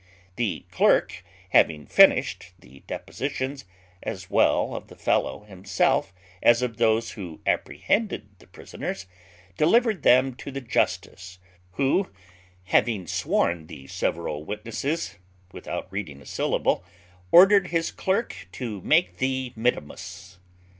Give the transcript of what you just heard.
The clerk, having finished the depositions, as well of the fellow himself, as of those who apprehended the prisoners, delivered them to the justice; who, having sworn the several witnesses without reading a syllable, ordered his clerk to make the mittimus.